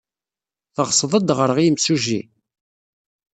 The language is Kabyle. Teɣsed ad d-ɣreɣ i yimsujji?